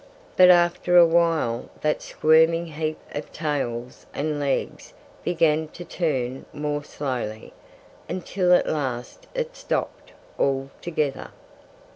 But after a while that squirming heap of tails and legs began to turn more slowly, until at last it stopped altogether.